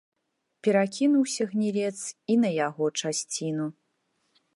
Перакінуўся гнілец і на яго часціну.